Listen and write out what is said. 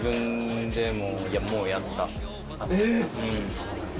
そうなんだ。